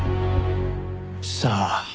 さあ。